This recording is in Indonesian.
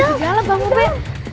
ada segala bang mope